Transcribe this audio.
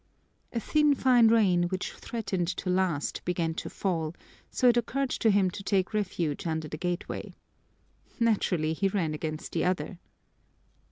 A thin fine rain, which threatened to last, began to fall, so it occurred to him to take refuge under the gateway. Naturally, he ran against the other.